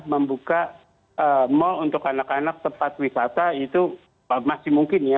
membuka mall untuk anak anak tempat wisata itu masih mungkin ya